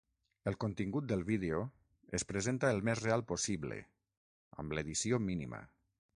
El contingut del vídeo es presenta el més real possible, amb l'edició mínima.